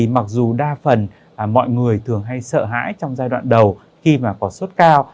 mặc dù đa phần mọi người thường hay sợ hãi trong giai đoạn đầu khi mà có sốt cao